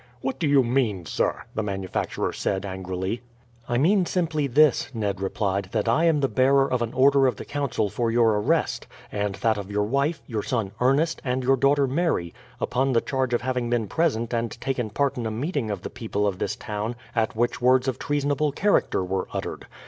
"What do you mean, sir?" the manufacturer said angrily. "I mean simply this," Ned replied. "That I am the bearer of an order of the Council for your arrest, and that of your wife, your son Ernest, and your daughter Mary, upon the charge of having been present and taken part in a meeting of the people of this town at which words of treasonable character were uttered.